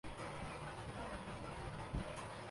بے وقوف نہیں۔